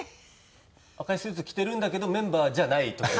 赤いスーツ着てるんだけどメンバーじゃない時に。